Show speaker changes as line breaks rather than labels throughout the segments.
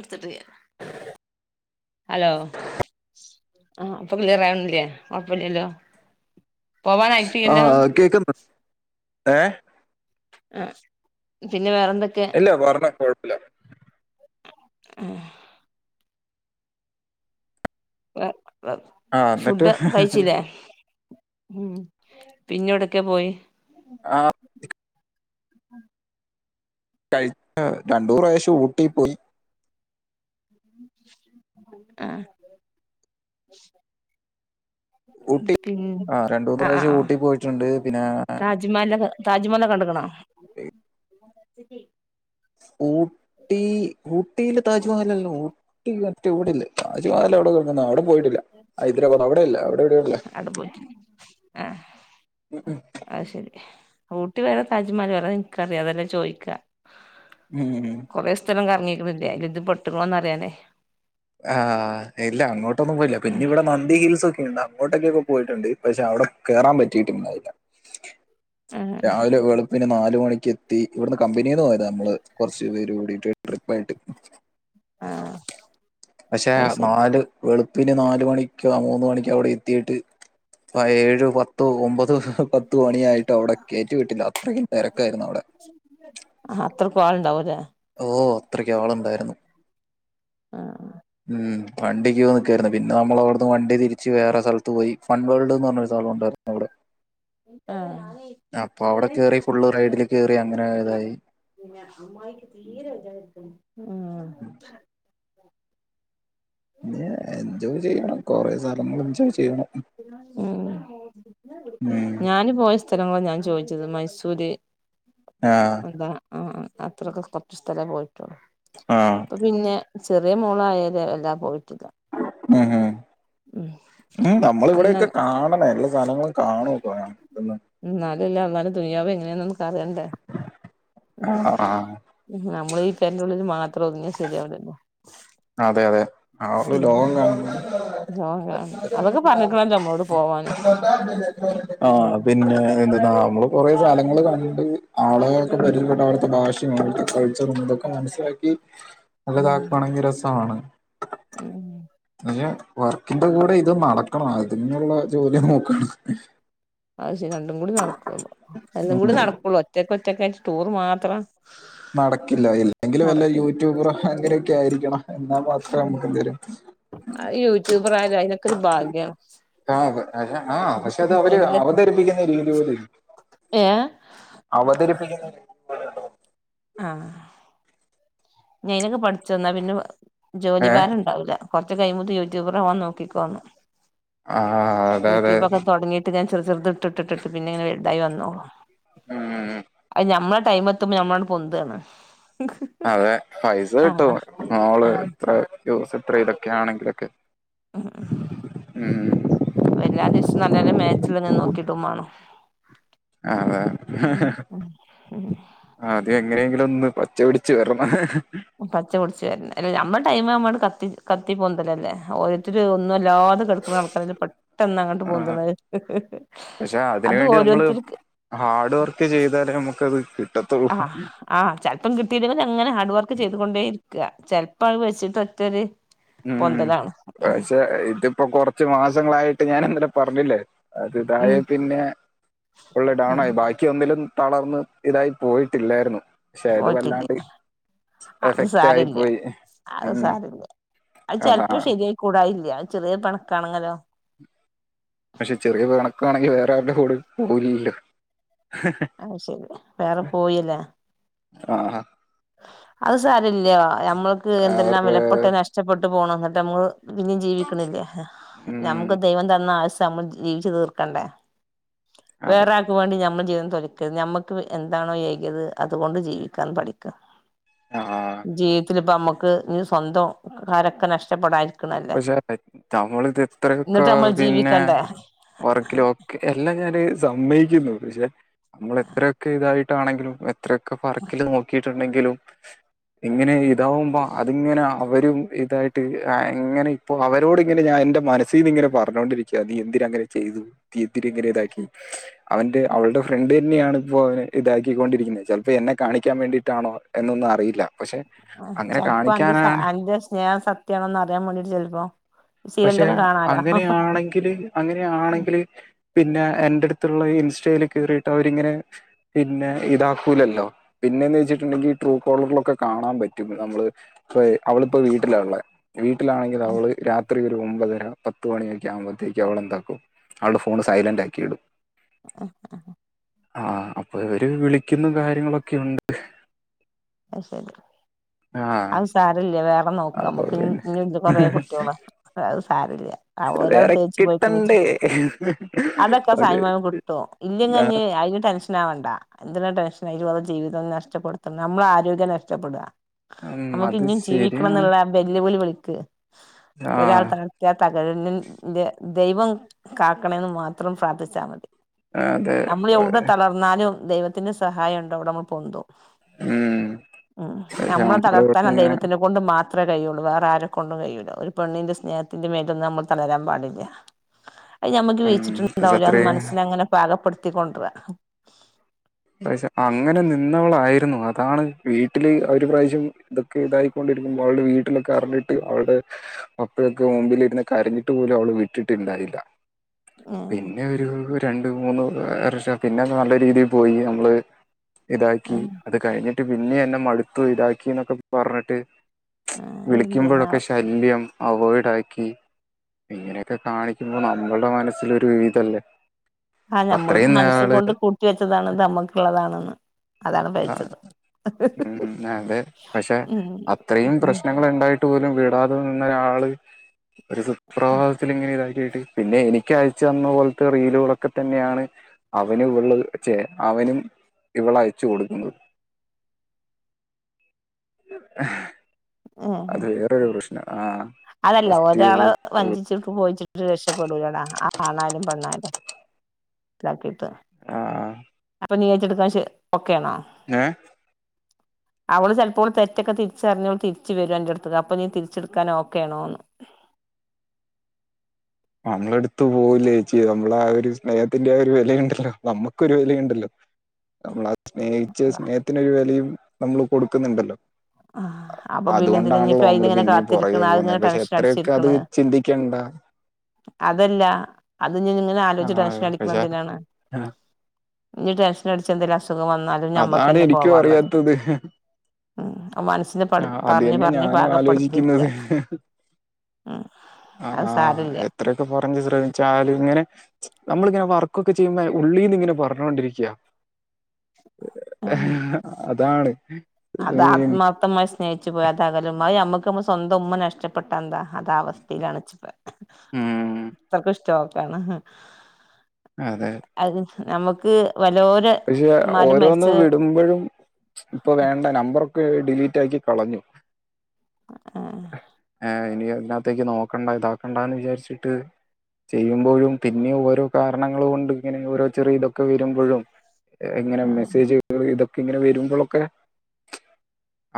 ഇട്ത്തിട്ടില്ല്യ hello ആഇപ്പോം പ്പ ക്ലിയറാവിണില്ലേ കുഴപ്പില്ലല്ലോ
ആ കേക്കുന്നു ഏ
ഉം പിന്നെ വേറെന്തൊക്കെ?
ഇല്ല പറഞ്ഞാേ കുഴപ്പല്ല
ഉം വ വ
ആ എന്നിട്ട്
ഫുഡ് കഴിച്ചിലേ? ഉം പിന്നെവെടക്കെ പോയി
ആ കഴി രണ്ടൂന്ന് പ്രാവശ്യം ഊട്ടി പോയി
ആ ന്ത്
ഊട്ടി
പിം
ആ രണ്ടു മൂന്ന്
ആ. ആ.
പ്രാവശ്യം ഊട്ടി പോയിട്ടുണ്ട് പിന്നെ
ആ. ജ്മഹൽ, താജ്മഹലൊക്കെ കണ്ടിക്ക്ണോ
ഓഹ് ഈ ഊട്ടി ഊട്ടിയിൽ താജ്മഹലില്ലല്ലോ ഊട്ടി മറ്റ് ഇവിടെ അല്ല താജ്മഹൽ എവിടെ കെടക്കുന്നോ ആവോ പോയിട്ടില്ല ഹൈദരാബാദ് അവിടെല്ല അവിടെവിടെ
അവിടെ പോയിട്ടുണ്ട് ആഹ് അ ശരി ഊട്ടി വേറെ താജ്മഹൽല് വേറെ അതെനിക്കറിയാ. അതെല്ലാം ചോയിക്കാ കുറെ സ് ഒരുത്തലും കറങ്ങിക്കില്ല അ ഇത് ആറ്റം പൊട്ടോക് ണൊറിയാനേ
ആഹ് ഇല്ല അങ്ങോട്ടൊന്നും പോയില്ല പിന്നെ ഇവിടെ നന്തി ഹിൽസ് ഒക്കെ ഇണ്ട് അങ്ങോട്ടേക്കേ അങ്ങോട്ടൊക്കെ പോയിട്ടുണ്ട് പക്ഷെ അവിടെ കേറാൻ പറ്റിറ്റുണ്ടായില്ല
ആ
രാവിലെ വെള പിന്നെ നാല് മണിക്ക് എത്തി ഇവിടുന്ന് കമ്പനിന്ന് പോയതാ നമ്മള് കൊറച്ചു പേര് കൂടിട്ട് ട്രിപ്പ് ആയിട്ട്
ആഹ്
പക്ഷെ നാല് വെളുപ്പിന് നാല് മണിക്കോ മൂന്ന് മണിക്കോ അവിടെ എത്തിയിട്ട് ഏഴോ പത്തോ ഒമ്പതോ, പത്ത് മണിയായിട്ട് അവിടെ കയറ്റി വിട്ടില്ല അത്രക്ക് തിരക്കായിരുന്നു അവിടെ
ആഹ് അത്രയ്ക്കു ആളുണ്ടാവൂല്ലേ.
ഓ അത്രക്ക് ആളുണ്ടായിരുന്നു
ആ
ഉം വണ്ടിക്ക് പോ നിൽക്കായിരുന്നു. പിന്നെ നമ്മള അവിടുന്ന് വണ്ടി തിരിച്ച് വേറെ സ്ഥലത്ത് പോയി ഫൺ വേൾഡ്ന്ന് പറഞ്ഞൊരു സ്ഥലം ഉണ്ടായിരുന്നു അവിടെ
[inaudible] ആ
അപ്പൊ അവിടെ കേറി ഫുൾ റൈഡില് കേറി അങ്ങനെ ഇതായി
ആഹ് [inaudible]
ഏഹ് എൻജോയ് ചെയ്യണം. കൊറെ സ്ഥലങ്ങൾ എൻജോയ് ചെയ്യണം.
ഉം
ഉം
ഞാന് പോയ സ്ഥലങ്ങൾ ഞാൻ ചോയിച്ചത് മൈസൂര്
ആഹ്
എന്താ ആ അത്രക്ക് കുറച്ച് സ്ഥലം പോയിട്ടുള്ളൂ.
ആഹ്
അപ്പൊ പിന്നെ ചെറിയ മോള് ആയേരെ എല്ലാം പോയിട്ടില്ല
ഉം ഹം
ഉം
ഉ നമ്മൾ
അന്ന്
ഇവിടൊക്കെ കാണണേ എല്ലാ സ്ഥലങ്ങള് കാണൂ പോയൊ
എന്നാലല്ലേ അള്ളാന്റെ ദുനിയാവ് എങ്ങനെയാന്ന് നമുക്ക് അറിയണ്ടേ.
ആഹ് ആഹ്
നമ്മള് ഈ പരൻ്റുള്ളിൽ മാത്രം ഒതുങ്ങി ശരിയാവുല്ല
അതെ അതെ ആള് ലോകം കാണണം
ലോകം കാണണം അതൊക്കെ പറഞ്ഞിക്കണല്ലോ നമ്മളോട് പോവാന്
ആഹ് പിന്നെ എന്നാ നമ്മള് കൊറെ സ്ഥലങ്ങൾ കണ്ടി ആളുകളെ പരിചയപ്പെട്ട് അവിടുത്തെ ഭാഷയും കൾച്ചറും ഇതൊക്കെ മനസ്സിലാക്കി.
[inaudible]
നല്ല [unintelligible] ങ്കി രസാണ്
ഉം
വർക്കിന്റെ കൂടെ ഇത് നടക്കണം അതിനുള്ള ജോലി നോക്കണം
ആ അത് ശരി രണ്ടും കൂടി നടക്കുള്ളു. അതും കൂടി
ഉം
നടക്കുള്ളൂ ഒറ്റക്ക് ഒറ്റക്ക് ആയിട്ട് ടൂർ മാത്രം
നടക്കില്ല ഇല്ലെങ്കിലും വല്ല
നടക്കരുത്
യൂട്യൂബറോ അങ്ങനെയൊക്കെ ആയിരിക്കണം എന്നാ മാത്രമേ നമ്മുക്ക് എന്തേ
യൂട്യൂബർ ആയാലും അയിനൊക്കെ ഒരു ഭാഗ്യം
ആ ആ പക്ഷെ അത് അവര് അവതരിപ്പിക്കുന്ന രീതി പോലെ ഇരിക്കും
ഏഹ്
അവതരിപ്പിക്കുന്ന [unintelligible]
ആഹ് വേഗം പഠിച്ചോ എന്നാ പിന്നെ ജോലി
ഏ
ഭാരം ഉണ്ടാവൂല്ല കുറച്ച് കഴിയുമ്പോഴേക്കും യൂട്യൂബറാവാൻ നോക്കിക്കോന്ന്
ആ അതെ അതെ
യൂട്യൂബൊക്കെ തുടങ്ങിട്ട് ഞാൻ ചെറുത് ചെറുത് ഇട്ടിട്ടിട്ടിട്ട് പിന്നെ ഇങ്ങനെ വലുതായി വന്നൂ
ഉം
അത് ഞമ്മടെ ടൈമ് എത്തുമ്പോൾ നമ്മള് അങ്ങോട്ട്‌ പൊന്തുവാണ്
അതെ പൈസ കിട്ടും മോള്
ആഹ്
ഇത്ര യൂസ് ഇത്ര ഇതൊക്കെ ആണെങ്കിലൊക്കെ
ഉം ഉം
ഉം
എല്ലാ ദിവസവും നല്ല നല്ല മാച്ചിലങ്ങനെ നോക്കി ഇടുവേം വേണം ഉം
അതെ അത് എങ്ങനെയെങ്കിലും ഒന്ന് പച്ച പിടിച്ചു വരണം
പച്ച പിടിച്ച് വരണം അല്ലേ നമ്മുടെ ടൈം നമ്മളങ്ങട്ട് കത്തി കത്തി പൊന്തല്ലല്ലേ ഒരോരുത്തര് ഒന്നും അല്ലാതെ കിടക്കണ ആൾ അതില് പെട്ടെന്ന് അങ്ങോട്ട്
ആ
പൊന്തണത്
പക്ഷെ അതിന്
അത്
വേണ്ടി നമ്മള്
ഓരോരുത്തർക്ക്‌
ഹാർഡ് വർക്ക് ചെയ്താലേ നമുക്കത് കി
ആഹ് ആ ചിലപ്പം കിട്ടിയില്ലങ്കിലും അങ്ങനെ ഹാർഡ് വർക്ക് ചെയ്തുകൊണ്ടേയിരി ക്കുക ചെലപ്പോ അത് വെച്ചിട്ട് ഒറ്റ ഒര്
ഉം പക്ഷെ ഇതിപ്പോ കൊറച്ച് മാസങ്ങളായിട്ട് ഞാൻ ഇന്നലെ പറഞ്ഞില്ലേ അത് ഇതായ
ഉം
പിന്നെ ഫുള്ള്
ഉം
ഡൗണായി ബാ ക്ക് ഒന്നിലും തളർന്ന് ഇതായി പോയിട്ടില്ലായിരുന്നു പക്ഷെ ഇത്
പോയിട്ടില്ല
വല്ലാണ്ട്
അത്
എഫക്റ്റായി
സാരല്ല
പോയി
അത്
ഉം
സാരല്ല അത്
അതാ
ചെലപ്പോ ശരിയായി കൂടായില്ല അത് ചെറിയ പിണക്കാണെങ്കിലോ
പക്ഷെ ചെറിയ പിണക്കാണെങ്കിൽ വേറെ ആരുടെ കൂടെ പോകില്ലല്ലോ
അത് ശരി വേറെ പോയില്ലാ
ആഹ്
അത് സാരമില്ല നമ്മക്ക് എന്തെല്ലാം
അവരുടെ
വിലപ്പെട്ടത് നഷ്ടപ്പെട്ട് പോണ് എന്നിട്ട് നമ്മള് പിന്നെയും ജീവിക്കണില്ലേ
ഉം,
നമുക്ക് ദൈവം തന്ന ആയുസ്സ് നമ്മൾ ജീവിച്ചു തീർക്കണ്ടേ വേറെ
അതൊക്കെ
ക്ക് വേണ്ടി നമ്മൾ ജീവിതം തൊലക്കരുത് നമുക്ക് എന്താണോ എകിയത് അതുകൊണ്ട് ജീവിക്കാൻ പഠി
ആ
ജീവിതത്തിൽ ഇപ്പ നമ്മുക്ക് ഇനി സ്വന്തം ആരൊക്കെ നഷ്ടപ്പെടാൻ
പക്ഷെ നമ്മള് ഇത് എത്രയൊക്കെ
എന്നിട്ട് നമ്മൾ
പിന്നെ
ജീവിക്കണ്ടേ
വർക്കിലോ എല്ലാം ഞാന് സമ്മയിക്കുന്നു പക്ഷെ നമ്മള് എത്രയൊക്കെ ഇതായിട്ടാണെങ്കിലും എത്രയൊക്കെ ഭർക്കില് നോക്കിയിട്ടുണ്ടെങ്കിലും ഇങ്ങനെ ഇതാവുമ്പോ അതിങ്ങനെ അവരും ഇതായിട്ട് ആ ഇങ്ങനെ ഇപ്പോ അവരോട് ഇങ്ങനെ ഞാൻ എന്റെ മനസ്സീന്ന് ഇങ്ങനെ പറഞ്ഞോണ്ടിരിക്കുവാ നീ എന്തിന് അങ്ങനെ ചെയ്തു തീത്തിരി ഇങ്ങനെ ഇതാക്കി അവന്റെ അവളുടെ ഫ്രണ്ട് തന്നെയാണ് ഇപ്പോ അവന് ഇതാക്കിക്കൊണ്ടിരിക്കുന്നത് ചിലപ്പോ എന്നെ കാണിക്കാൻ വേണ്ടിയിട്ടാണോ എന്നൊന്നും അറിയില്ല പക്ഷെ
ആഹ്
അങ്ങനെ
ചിലപ്പോ അന്റെ
കാണിക്കാനാണ്
അന്റെ സ്നേഹം സത്യവാണോന്ന് അറിയാൻ വേണ്ടീട്ട് ചിലപ്പോ
പക്ഷെ അങ്ങനെയാണെങ്കില് അങ്ങനെയാണെങ്കില് പിന്നെ എന്റെ അടുത്തുള്ള ഇൻസ്റ്റയിൽ കയറിയിട്ട് അവരിങ്ങനെ പിന്നെ ഇതാക്കൂലല്ലോ പിന്നേന്ന് വെച്ചിട്ടുണ്ടെങ്കി ഈ ട്രൂ കോളറിലൊക്കെ കാണാൻ പറ്റും നമ്മള് ഇപ്പോ അവളിപ്പോ വീട്ടിലാ ഉള്ളേ വീട്ടിലാണെങ്കി അവള് രാ ത്രിയൊരു ഒമ്പതര പത്ത് മണിയൊക്കെ ആകുമ്പത്തേക്ക് അവളെന്താക്കും അവളുടെ ഫോണ് സൈലന്റ് ആക്കി ഇടും
ആഹ് ആഹ്
ആഹ് അപ്പൊ അവര് വിളിക്കുന്ന കാര്യങ്ങളൊക്കെയുണ്ട്
അത് ശരി
ആഹ്
അത് സാരമില്ല വേറെ നോക്ക
അപ്പൊ പിന്നെ
നമ്മക്ക് കൊറെ കുട്ടികള അത് സാരില്ല ആ ഒരാൾ
വേറെ
തേച്ച് പോയിക്കണ്
കിട്ടണ്ടേ.
വച്ചിട്ട് അതൊക്കെ
പഴ്
സമയാകുമ്പോ കിട്ടുവോ ഇല്ലങ്കി ഇനി
ആഹ്
അതിന് ടെൻഷ നാവണ്ട എന്തിനാ ടെൻഷൻ ആയി ഇതുപോലെ ജീവിതം നഷ്ടപ്പെടുത്തുന്നെ നമ്മടെ ആരോഗ്യം നഷ്ടപ്പെടുക
ഉം
നമുക്ക്
അത്
ഇനീയും ജീവിക്കണം
ശരിയാണ്.
എന്നുള്ള വെല്ലുവിളി വിളിക്ക് ഒരാൾ
ആഹ്
ത തകഴന്റെ ദൈവം കാക്കണ എന്ന് മാത്രം പ്രാർത്ഥിച്ചാൽ മതി
അതെ
നമ്മൾ എവിടെ തളർന്നാലും ദൈവത്തിന്റെ സഹായം ഉണ്ടോ അവിടെ നമ്മൾ പൊന്തും
ഉം
ഉം
പക്ഷെ
നമ്മെ
നമ്മള്
തളർത്താന
ഇവിടുന്ന് ഇങ്ങനെ
ദൈവത്തിന്റെ കൊണ്ട് മാത്രേ കഴിയുള്ളൂ വേറെ ആരെ കൊണ്ടും കഴിയില്ല ഒരു പെണ്ണിന്റെ സ്നേഹത്തിന്റെ മേലൊന്നും നമ്മൾ തളരാൻ പാടില്ല അത് ഞമ്മുക്ക് വീതി
ഉം പക്ഷെ
ച്ചിട്ടുണ്ടാവില്ല എന്ന്
അത്രയും
മനസ്സിനെ അങ്ങനെ പാകപ്പെടുത്തികൊണ്ടരാ
പ്രാവശ്യം അങ്ങനെ നിന്നവളായിരുന്നു അതാണ് വീട്ടില് ഒരു പ്രാവശ്യം ഇ ഒക്കെ ഇതായിക്കൊണ്ടിരിക്കുമ്പോൾ അവളുടെ വീട്ടിലൊക്കെ അറിഞ്ഞിട്ട് അവളുടെ പപ്പഴൊക്കെ മുമ്പില് ഇരുന്ന് കരഞ്ഞിട്ട് പോലും അവള് വിട്ടിട്ടുണ്ടായില്ല
ആഹ്
പിന്നെ ഒരു രണ്ട് മൂന്ന് വർഷ പിന്നെ നല്ല രീതിൽ പോയി നമ്മള് ഇതാക്കി
ആഹ്
അത് കഴിഞ്ഞിട്ട് പിന്നെ എന്നെ മടുത്തു ഇതാക്കി എന്നൊക്കെ പറഞ്ഞിട്ട്
ആഹ്
വിളിക്കുമ്പോഴൊക്കെ
എന്തെന്നാവോ
ശല്യം അവോയിഡ് ആക്കി ഇങ്ങനെയൊക്കെ കാണിക്കുമ്പോൾ നമ്മളുടെ മനസ്സിലൊരു ഇതല്ലേ
ആഹ് നമ്മളിപ്പോ
അത്രയും
മനസ്സ്
നാള്
കൊണ്ട് കൂട്ടി വെച്ചതാണ് ഇത് നമ്മുക്കുള്ളതാണെന്ന്
ആ ഉം അതെ പക്ഷെ
ഉം
അത്രയും
ഉം
പ്രശ്നങ്ങള് ഉണ്ടായി ട്ടു പോലും വിടാതെ നിന്ന ഒരാള് ഒരു സുപ്രവാഹത്തിൽ ഇങ്ങനെ ഇതാക്കിയിട്ട് പിന്നെ എനിക്ക് അയച്ചു തന്ന പോലത്തെ റീലുകളൊക്കെ തന്നെയാണ് അവനും ഇവള് ചേ അവനും ഇവള അയച്ചു കൊടുക്കുന്നത് [unintelligible]
ഉം
അത് വേറൊരു പ്രശ്നം ആ
അതല്ല
ഫസ്റ്റ്
ഒരാള് വഞ്ചിച്ചു ഇ പോയിച്ചിട്ട് രക്ഷപ്പെടൂലടാ ആ ആണായാലും പെണ്ണായാലും ഇതാക്കിട്ട്
ആഹ് ആഹ്
അപ്പൊ നീ ഏറ്റെടുക്കാൻ [unintelligible] ഓക്കെ ആണോ
ഏ
അവള് ചെലെപ്പോൾ തെറ്റൊക്കെ തിരിച്ചറിഞ്ഞവള് തിരിച്ച് വരും അന്റെടുത്ത്ക്ക് അപ്പൊ നീ തിരിച്ചെടുക്കൻ ഓക്കെണോന്ന്
നമ്മള എടുത്തു പോവുലേ ചേച്ചി നമ്മള ആ ഒരു സ്നേഹത്തിന്റെ ആ ഒരു വെലയുണ്ടല്ലോ നമ്മുക്കൊരു വെലയുണ്ടല്ലോ നമ്മൾ സ്നേഹിച്ച സ്നേഹത്തിനൊരു വിലയും നമ്മൾ കൊടുക്കുന്നുണ്ടല്ലോ
ആഹ് അപ്പൊ പിന്നെ എന്തിന ഇനിപ്പ
അതുകൊണ്ടാണല്ലോ
അയിന്
നമ്മള്
ഇങ്ങനെ
പിന്നെയും പുറകെ
കാത്തിരിക്കണ് അതിങ്ങനെ
പോകുന്നത്. പക്ഷെ
ടെൻഷൻ
എത്രയൊക്കെ അത്
അടിച്ചിരിക്കണ്
ചിന്തിക്കണ്ട.
അതല്ല അത് നി ഇങ്ങനെ ആലോചിച്ച്
ആഹ്
ടെൻഷൻ അടിക്കണ
പക്ഷെ
എന്തിനാണ് ഇനി ടെൻഷൻ അടിച്ച എന്തേലും അസുഖം വന്നാലും
അതാണ്
ഞമ്മക്കന്നെ
എനിക്കും
പോവാൻള്ളത്
അറിയാത്തത്.
ഉം അത് മനസ്സിനെ പ
ആഹ് അത്
പറഞ്ഞ്
തന്നെ
പറഞ്ഞ്
ഞാനും
പാകപ്പെടുത്തിരിക്ക
ആലോചിക്കുന്നത്.
ഉം അത് സാരോല്ല
അത്രയൊക്കെ പറഞ്ഞ് ശ്രമിച്ചാലും ഇങ്ങനെ നമ്മളിങ്ങനെ വർക്കൊക്കെ ചെയ്യുമ്പ ഉള്ളിൽന്ന് ഇങ്ങനെ പറഞ്ഞുകൊണ്ടിരിക്കയാ അതാണ്
അത്
ഈ,
ആത്മ ത്തമായി സ്നേഹിച്ചു പോയ അതകലും അത് നമ്മക്ക് മ്മളെ സ്വന്തം ഉമ്മ നഷ്ടപ്പെട്ട എന്താ അത ആ അവസ്ഥയിലാണപ്പോ
ഉം
അത്രക്ക് ഇഷ്ടക്കാണ്
അതെ
അത് നമുക്ക് വലോരോ
പക്ഷെ ഓരോന്ന് വിടുമ്പഴും ഇപ്പൊ വേണ്ട നമ്പറൊക്കെ ഡിലീറ്റ് ആക്കി കളഞ്ഞു
ആഹ്
ആഹ് ഇനി അതിനാത്തേക്ക് നോക്കണ്ട ഇതാക്കണ്ടാന്ന് വിചാരിച്ചിട്ട് ചെയ്യുമ്പോഴും പിന്നെ ഓരോ കാരണങ്ങള് കൊണ്ട് ഇങ്ങനെ ഓരോ ചെറിയ ഇതൊക്കെ വരുമ്പോഴും എങ്ങനെ മെസ്സേജ് ഇതൊക്കെ ഇങ്ങനെ വരുമ്പളൊക്കെ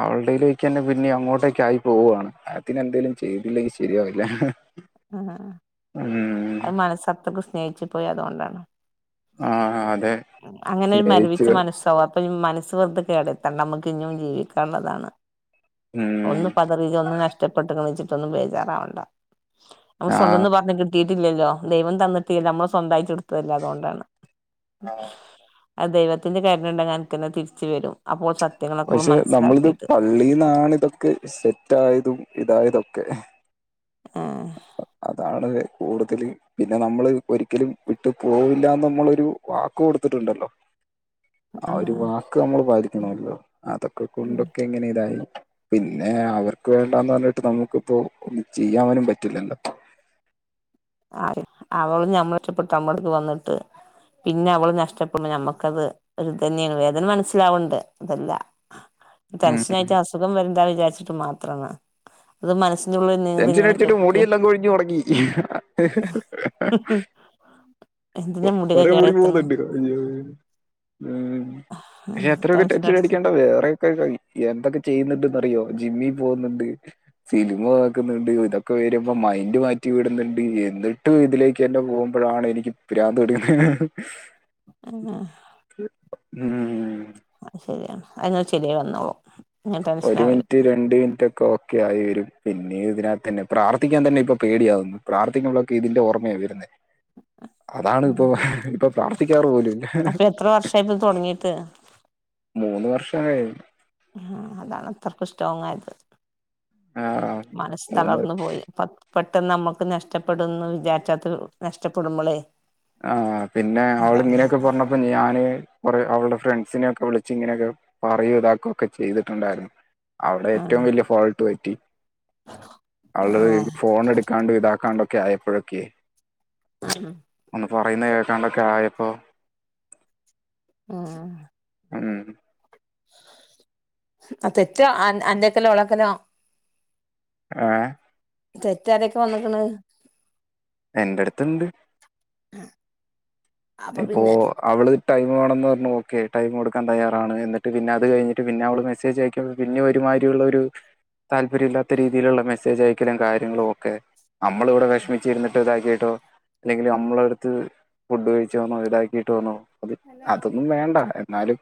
അവൾടയ്ലേക്കന്നെ പിന്നെ അങ്ങോട്ടേക്കായി പോവുവാണ് അതിനെന്തേലും ചെയ്തില്ലെങ്കി ശെരിയാവില്ലഹ്ഹ്
ആഹ് അത് മനസ്സത്രക്ക് സ്നേഹിച്ചു പോയി അതുകൊണ്ടാണ്
ആഹ് അതെ
അങ്ങനെ ഒരു
സ്നേഹിച്ച്
മരിവിച്ച മനസ്സാവും അപ്പൊ മനസ്സ് വെറ്ത കേടെത്തണ്ട അമ്മക്കിന്നും ജീവിക്കേണ്ടതാണ്
ഉം
ഒന്ന് പതറി ഒന്ന് നഷ്ടപ്പെട്ടന്നും വെച്ചിട്ടൊന്നും ബേജാറാവണ്ട നമ്മ
ആ
സ്വന്തന്ന് പറഞ്ഞി കിട്ടിട്ടില്ലല്ലോ ദൈവം തന്നിട്ടില്ല അമ്മള് സ്വന്തായിട്ട് എടുത്താല്ലേ അതൊണ്ടാണ് അദൈവത്തിന്റെ കര്ണെണ്ടെ അനക്കന്ന തിരിച്ച് വരും അപ്പോ സത്
പക്ഷെ നമ്മളിത് പള്ളീന്നാണിതൊക്കെ സെറ്റായതും ഇതായതൊക്കെ
ആഹ്
അതാണൊരു കൂടുതല് പിന്നെ നമ്മള് ഒരിക്കലും വിട്ട് പോവൂല്ലാന്നമ്മളൊരു വാക്ക് കൊടുത്തിട്ടിണ്ടല്ലോ ആ ഒരു വാക്ക് നമ്മള് പാലിക്കണവല്ലോ അതൊക്കെ കൊണ്ടൊക്കെങ്ങനെ ഇതായി പിന്നെ അവർക്ക് വേണ്ടാന്നറഞ്ഞിട്ട് നമുക്കിപ്പൊ ഒന്ന് ചെയ്യാനും പറ്റില്ലല്ലോ
ആഹ് അവള് നമ്മളെഷ്ടപ്പെട്ട് നമ്മളടക്ക് വന്നിട്ട് പിന്നെവള് നഷ്ടപ്പെടുന്നു ഞമ്മക്കത് ഒരിതന്നേണ് വേദന മനസിലാവ്ണ്ട് അതല്ല
ഉം
ടെൻസനായിട്ട് അസുഖം വരെന്താന്ന് വിചാരിച്ചിട്ട് മാത്രാണ് അത് മനസ്സിന്റുള്ള്ന്ന്
ടെൻഷനടിച്ചിട്ട് മുടിയെല്ലാം കൊഴിഞ്ഞൊടങ്ങി
എന്തിനാ മുടിയൊക്കെ
കൊറെ മുടി
കേടര്ത്ത്ണ്
പോവ്ന്നിണ്ട് അയ്യോ ഉം പക്ഷെ എത്രയൊക്കെ
ടെൻഷൻ
ടെൻഷനടിക്കണ്ട വേറെ എന്തൊക്കെ ചെയ്യുന്നുണ്ട്ന്നറിയോ ജിമ്മി പോന്നൊണ്ട് സിനിമ ന്ന്ണ്ട് ഇതൊക്കെ വരുമ്പൊ മൈന്ഡ് മാറ്റി വിട്ന്ന്ണ്ട് എന്നിട്ടു ഇതിലേക്കന്നെ പോമ്പഴാണ് എനിക്ക് പ്രാന്ത് പിടിക്കുന്നെഹ്ഹ്
ആഹ്
ഉം
അയ് ശരിയാണ് അതിന്ന ശെരിയായ് വന്നോളും ഇങ്ങൾ ടെൻഷൻ
ഒരു
ആവരുത്
മിനിറ്റ് രണ്ട് മിനിറ്റൊക്കെ ഒക്കെ ആയിവരും പിന്നേ ഇതിനാതന്നെ ക്കെ ആയി വെരും പിന്നേ ഇതിനാത്തന്നെ പ്രാർത്ഥിക്കാൻ തന്നെ ഇപ്പ പേടിയാവ്ന്ന് പ്രാർത്ഥിക്കമ്പളൊക്കെ ഇതിന്റെ ഓർമയ വരുന്നെ അതാണ്
ഉം
ഇപ്പോ ഇപ്പൊ പ്രാർത്ഥിക്കാറ് പോലുവില്ല
ഏപ് തൊടങ്ങീട്ട്
മൂന്ന് വർഷായി
ആഹ് അതാണ് അത്രയ്ക്കും സ്ടോങ്ങായത്
ആഹ്
മനസ്സ് തളർന്ന് പോയി അപ്പ പെട്ടെന്ന് നമ്മക്ക് നഷ്ടപ്പെടുന്നു വിചാരിച്ചത്ത് നഷ്ടപ്പെടുമ്പളേ
ആഹ് പിന്നെ
അതാണ്
അവളിങ്ങനെയൊക്കെ പറഞ്ഞപ്പോ ഞാന് കൊറെ അവൾടെ ഫ്രണ്ട്സിനെയൊക്കെ വിളിച്ച് ഇങ്ങനെയൊക്കെ പറയുതാക്കൊക്കെ ചെയ്തിട്ടൊണ്ടാരുന്നു അവിടെ ഏറ്റവും
ആഹ്
വലിയ ഫോൾട്ട് പറ്റി അവൾടത്
ആഹ്
ഫോണെടുക്കാണ്ടു ഇതാക്കാണ്ടൊക്കെ ആയപ്പൊഴെക്കെ
[unintelligible]
ഒന്ന് പറയുന്ന കേക്കാണ്ടൊക്കെ ആയപ്പോ
ആഹ്
ഉം
ആഹ് തെറ്റ് അന്റെക്കലൊ ഓളെക്കലോ
ഏഹ്
തെറ്റാരെക്കെ വന്നക്കണ്
എന്റെ എട്ത്തിണ്ട്
ഉം
ഇപ്പോ അവള് ടൈ വേണന്ന് പറഞ്ഞു ഓക്കെ ടൈം കൊടുക്കാൻ തയ്യാറാണ് എന്നിട്ട് പിന്നെ അത് കഴിഞ്ഞിട്ട് പിന്നെ അവള് മെസ്സേജ് അയക്ക് പിന്നെ ഒരുമാരിരുള്ള ഒരു താല്പര്യം ഇല്ലാത്ത രീതിയിലുള്ള മെസ്സേജ് അയക്കലും കാര്യങ്ങളും ഒക്കെ നമ്മളിവിടെ വിഷമിച്ച് ഇരുന്നിട്ട് ഇതാക്കീട്ടോ അല്ലെങ്കില് നമ്മള അടുത്ത് ഫുഡ് കഴി ച്ചോന്നോ ഇതാക്കിട്ടോന്നോ അത് അതൊന്നും വേണ്ട എന്നാലും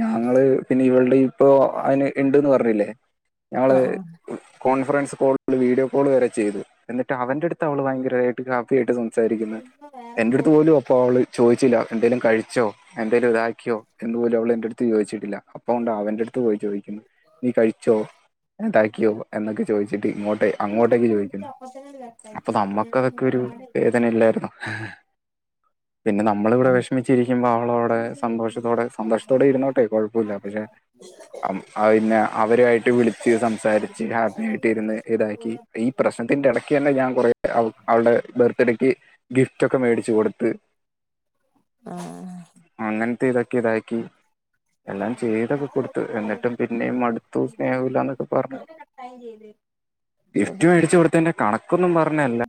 ഞങ്ങള് പിന്നെ ഇവൾടെ ഇപ്പൊ അയിന് ഇണ്ട്ന്ന് പറഞ്ഞില്ലേ ഞങ്ങള്
ആഹ്
കോൺഫറൻസ് കോള് വീഡിയോ കോള് വരെ ചെയ്തു എന്നിട്ട് അവന്റടുത്ത് അവള് ഭയങ്കര ട്ട് ഹാപ്പിയാട്ട് സംസാരിക്കുന്ന എന്റടുത്ത് പോലും ഓള് ചോയിച്ചില്ല എന്തേലും കഴിച്ചോ എന്തേലും ഇതാക്കിയോ എന്ന്പോലും അവള് എന്റടുത്ത് ചോയിച്ചിട്ടില്ല അപ്പോണ്ട് അവന്റെ അടുത്ത് പോയി ചോയിക്കുന്നു നീ കഴിച്ചോ ഇതാക്കിയോ എന്നൊക്കെ ചോയിച്ചിട്ട് ഇങ്ങോട്ടേ അങ്ങോട്ടേക്ക് ചോയ്ക്ക്ന്ന് അപ്പൊ നമ്മക്കതൊക്കെ ഒരു വേദന അല്ലായിന്നോ പിന്നെ നമ്മളിവിടെ
ആഹ്
വെഷമിച്ചിരിക്കുമ്പോ അവളോടെ സന്തോഷത്തോടെ സന്തോഷത്തോടെ ഇരുന്നോട്ടെ കുഴപ്പല്ല പഷെ പിന്നെ അവരു ആയിട്ട് വിളിച്ച് സംസാരിച്ച് ഹാപ്പി ആയിട്ട് ഇര്ന്ന് ഇതാക്കി ഈ പ്രശ്നത്തിന്റെ എട ക്കെ ന്നെ ഞാൻ കുറെ അവ അവള്ടെ ബർത്ത്ഡേക്ക് ഗിഫ്റ്റ് ഒക്കെ മേടിച്ചു കൊടുത്ത്
ആഹ്
അങ്ങൻത്തെ ഇതൊക്കെ താക്കി എല്ലാം ചെയ്തൊക്കെ കൊടുത്തു എന്നിട്ടും പിന്നേം മടുത്തു സ്നേഹല്ലാന്നൊക്കെ പർഞ്
ശരി
ഗിഫ്റ്റ് മേടിച്ച് കൊടുത്തെന്റെ കണക്കൊന്നും പറഞ്ഞല്ല